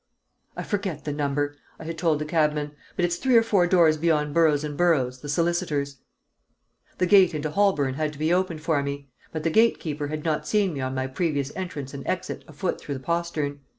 "I forget the number," I had told the cabman, "but it's three or four doors beyond Burroughs and Burroughs, the solicitors." The gate into Holborn had to be opened for me, but the gate keeper had not seen me on my previous entrance and exit afoot through the postern.